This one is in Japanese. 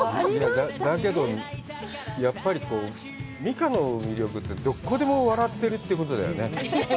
だけど、やっぱり美佳の魅力って、どこでも笑ってるってことだよね。